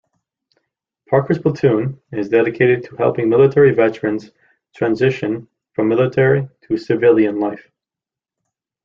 Parker's Platoon is dedicated to helping military veterans transition from military to civilian life.